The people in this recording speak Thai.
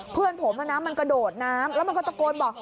เพื่อนผมมันกระโดดน้ำแล้วมันก็ตะโกนบอก